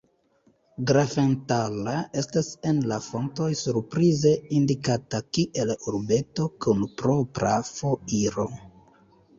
Grafenthal estas en la fontoj surprize indikata kiel urbeto kun propra foiro.